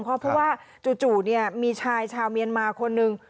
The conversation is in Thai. เพราะว่าจู่มีชายชาวเมียนมาคนนึง